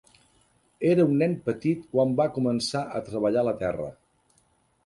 Era un nen petit quan va començar a treballar la terra.